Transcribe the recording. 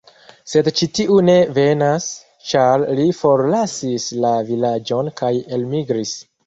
Sed ĉi tiu ne venas, ĉar li forlasis la vilaĝon kaj elmigris.